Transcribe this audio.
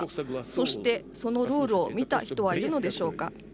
そして、そのルールを見た人はいるのでしょうか。